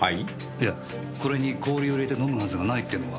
いやこれに氷を入れて飲むはずがないってのは。